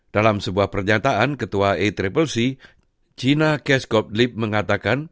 dalam sebuah pernyataan ketua accc gina ghezgovdlib mengatakan